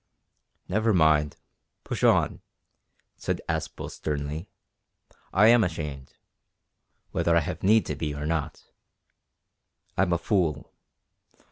"Never mind push on," said Aspel sternly; "I am ashamed whether I have need to be or not. I'm a fool.